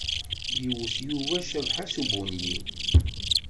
Yewwet Yuba Cabḥa s ubunyiw.